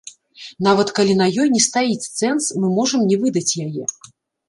Нават калі на ёй не стаіць цэнз, мы можам не выдаць яе.